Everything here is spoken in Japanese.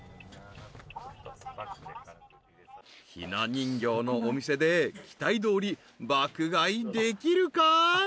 ［ひな人形のお店で期待どおり爆買いできるか？］